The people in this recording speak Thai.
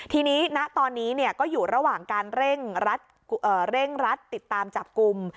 ทีนี้ณตอนนี้ก็อยู่ระหว่างการเร่งรัดติดตามจับกลุ่ม